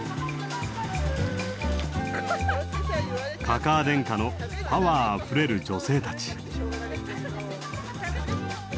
かかあ天下のパワーあふれる女性たち。